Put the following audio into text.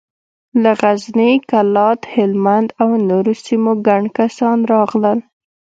له غزني، کلات، هلمند او نورو سيمو ګڼ کسان راغلل.